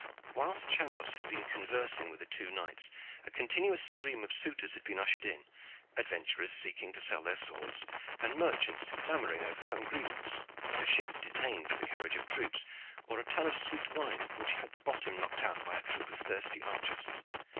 Whilst Chandos had been conversing with the two knights a continuous stream of suitors had been ushered in, adventurers seeking to sell their swords and merchants clamoring over some grievance, a ship detained for the carriage of troops, or a tun of sweet wine which had the bottom knocked out by a troop of thirsty archers.